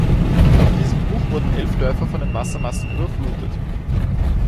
Durch diesen Bruch wurden elf Dörfer von den Wassermassen überflutet.